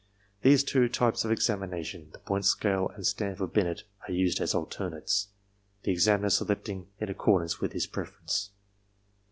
These two types of examination, the Point Scale and Stanford Binet, are used as alternates, the examiner selecting in accord ance with his preference.